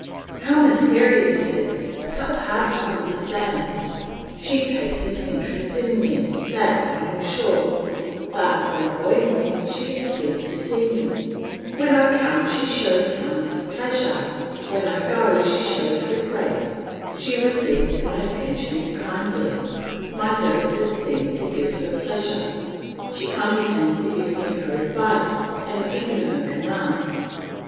"How mysterious it is, how hard to understand! She takes an interest in me, that I am sure; far from avoiding me she is pleased to see me; when I come she shows signs of pleasure, when I go she shows regret; she receives my attentions kindly, my services seem to give her pleasure, she condescends to give me her advice and even her commands.